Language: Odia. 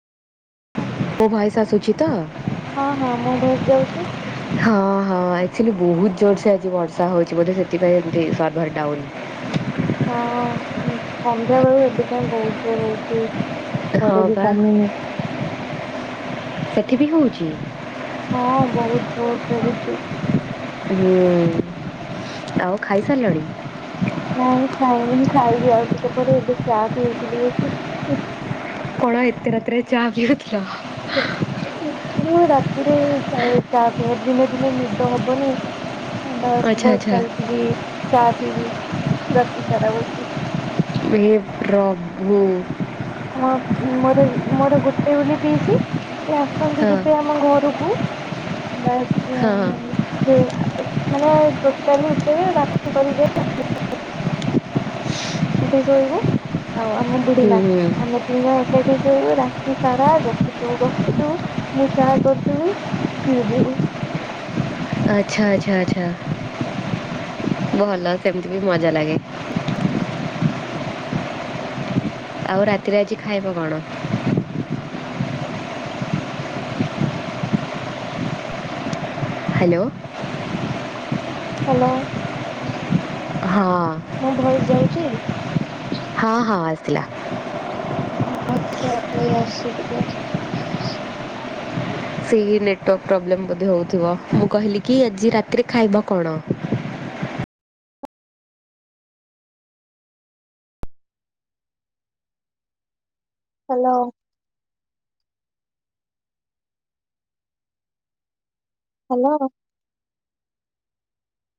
ମୋ ଭଏସ୍ ଆସୁଛି ତ? ହଁ ହଁ ମୋ ଭଏସ ଯାଉଛି ହଁ ହଁ ଏଥିବି ବୋହୁତ୍ ଜୋର ସେ ଆଜି ବର୍ଷା ହଉଛି ବୋଧେ ସେଥିପାଇଁ ଏମ୍ତି ସର୍ଭର ଡ଼ାଉନ୍ ହଁ ହୁଁ ସନ୍ଧ୍ୟା ବେଳୁ ଏବେ ଯାଏଁ ବହୁତ୍ ଜୋର ହୋଉଛି। ହଁ ପା ସେଠି ବି ହଉଛି? ହଁ ବହୁତ୍ ଜୋରସେ ହୋଉଛି। ହୁଁ ଆଉ ଖାଇ ସାରିଲଣି? ନାଇଁ ଖାଇନି ଖାଇବି ଆଉ ଟିକେପରେ ଏବେ ଚା ପିଉଥିଲି ବସିକି। କଣ ଏତେ ରାତିରେ ଚା ପିଉଥିଲ? [unintelligible] ମୁଁ ରାତିରେ ପ୍ରାୟ ଚା ପିଏ ଦିନେ ଦିନେ ନିଦ ହବନି ଆଚ୍ଛା ଆଚ୍ଛା [unintelligible] ବି ଚାହା ପିଇବି [unintelligible] ରାତିି ସାରା ବସିକି। ହେ ପ୍ରଭୁ। ହଁ ମୋର ମୋର ଗୋଟେ ବୋଲି ପିଇସି ସେ ଆ [unintelligible] ଫୁଣି ବି ହଁ ଯିବି ଆମ ଘରକୁ ହଁ [unintelligible] ମାନେ ଟୋଟାଲି ଉପରେ ରାତି କରିବେ ଚାହା ପିଇକି ଶୋଇବୁ ଆଉ ଆମ ହୁଁ ବୁଢୀମା ହୁଁ ଆମେ ତିନି ଜଣ ଏକାଠି ଶୋଇବୁ ରାତି ସାରା ଗପୁଥୁବୁ ଗପୁଥୁବୁ। ମୁଁ ଚାହା କରୁଥିବି ପିଉଥିବୁ। ଆଚ୍ଛା ଆଚ୍ଛା ଆଚ୍ଛା ଭଲ ସେମିତି ବି ମଜା ଲାଗେ। ଆଉ ରାତିରେ ଆଜି ଖାଇବ କଣ? Hello hello. ହଁ। ମୋ ଭ‌ଏସ୍ ଯାଉଚି। ହଁ ହଁ ଆସିଲା। ଭ‌ଏସ ଟିକେ [unintelligible] ଆସୁଚି ଟିକେ। ସେଇ ନେଟୱାର୍କ ପ୍ରୋବ୍ଲେମ୍ ବୋଧେ ହୋଉଥିବ। ମୁଁ କହିଲି କି ଆଜି ରାତିରେ ଖାଇବା କଣ? ହାଲୋ। ହାଲୋ।